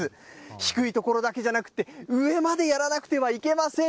低い所だけじゃなくて、上までやらなくてはいけません。